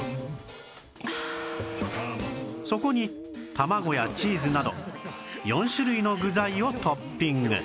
そこに卵やチーズなど４種類の具材をトッピング